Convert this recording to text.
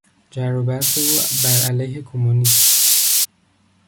جر و بحث او بر علیه کمونیسم